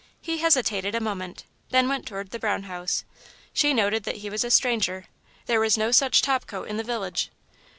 He hesitated a moment, then went toward the brown house. She noted that he was a stranger there was no such topcoat in the village.